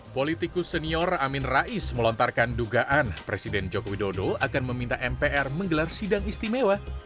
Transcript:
politikus senior amin rais melontarkan dugaan presiden joko widodo akan meminta mpr menggelar sidang istimewa